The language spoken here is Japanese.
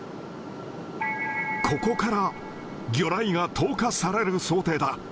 ここから魚雷が投下される想定だ。